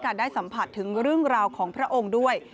ได้สัมผัสถึงเรื่องราวของพระองค์ด้วย